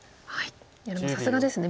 いやでもさすがですね。